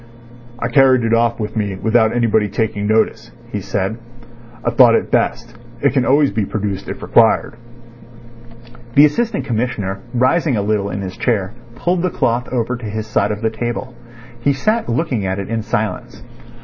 "I carried it off with me without anybody taking notice," he said. "I thought it best. It can always be produced if required." The Assistant Commissioner, rising a little in his chair, pulled the cloth over to his side of the table. He sat looking at it in silence.